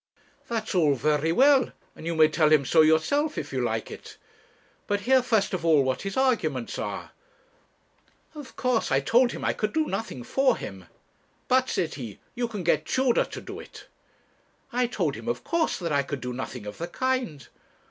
'That's all very well; and you may tell him so yourself, if you like it; but hear first of all what his arguments are. Of course I told him I could do nothing for him. 'But,' said he, 'you can get Tudor to do it.' I told him, of course, that I could do nothing of the kind.